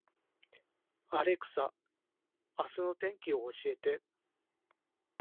アレクサ、明日の天気を教えて